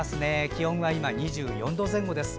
気温は今２４度前後です。